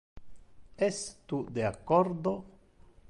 Es tu de accordo?